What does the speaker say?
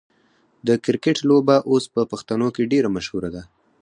د کرکټ لوبه اوس په پښتنو کې ډیره مشهوره ده.